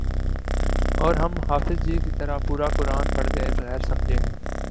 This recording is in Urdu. اور ہم حافظ جی کی طرح پورا قرآن پڑھ گئے بغیر سمجھے